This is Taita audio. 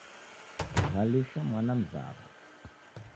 Ghalisha mwana mzaw'o